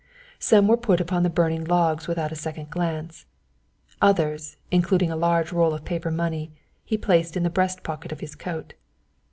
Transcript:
Some were put upon the burning logs without a second glance; others, including a large roll of paper money, he placed in the breast pocket of his coat.